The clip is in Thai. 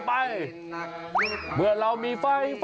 ไปเมื่อเรามีไฟ